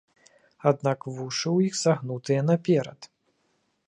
Аднак вушы ў іх загнутыя наперад.